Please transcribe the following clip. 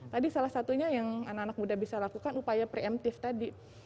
tadi salah satunya yang anak anak muda bisa lakukan upaya preemptif tadi